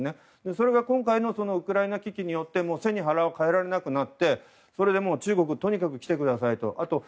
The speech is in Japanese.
それが今回のウクライナ危機によって背に腹は代えられなくなってそれで中国にとにかく来てくださいと。